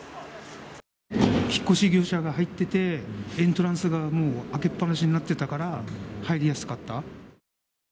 引っ越し業者が入ってて、エントランスが開けっ放しになっていたから、入りやすかった。